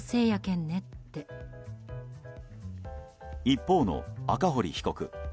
一方の赤堀被告。